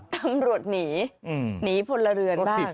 ตำรวจหนีหนีพลเรือนบ้าง